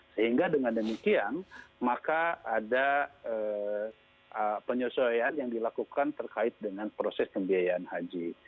sehingga dengan demikian maka ada penyesuaian yang dilakukan terkait dengan proses pembiayaan haji